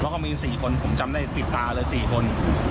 เขามีสี่คนผมจำได้ติดตาเลยสี่คน